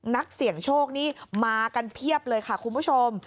นักเสี่ยงโชคนี่มากันเพียบเลยค่ะคุณผู้ชม